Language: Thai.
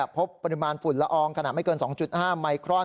พบปริมาณฝุ่นละอองขนาดไม่เกิน๒๕ไมครอน